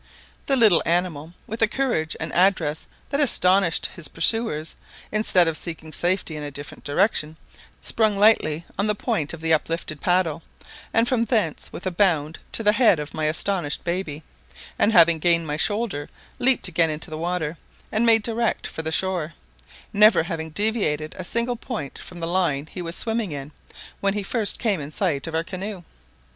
The little animal, with a courage and address that astonished his pursuers, instead of seeking safety in a different direction, sprung lightly on the point of the uplifted paddle, and from thence with a bound to the head of my astonished baby, and having gained my shoulder, leaped again into the water, and made direct for the shore, never having deviated a single point from the line he was swimming in when he first came in sight of our canoe.